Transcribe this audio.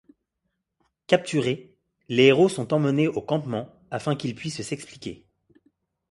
Capturés, les héros sont emmenés au campement afin qu'ils puissent s'expliquer.